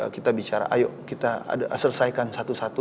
kita bicara ayo kita selesaikan satu satu